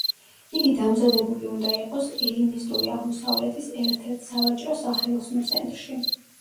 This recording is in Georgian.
იგი დამზადებული უნდა იყოს ელინისტური აღმოსავლეთის ერთ-ერთ სავაჭრო-სახელოსნო ცენტრში.